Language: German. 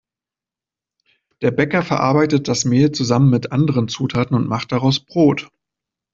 Der Bäcker verarbeitet das Mehl zusammen mit anderen Zutaten und macht daraus Brot.